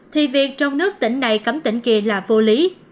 thì việc trong nước tỉnh này cấm tỉnh kỳ là vô lý